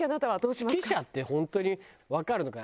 指揮者って本当にわかるのかな？